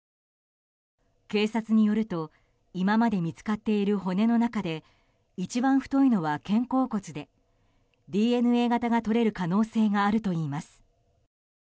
警察によると今まで見つかっている骨の中で一番太いのは肩甲骨でＤＮＡ型が取れる可能性があるといいます。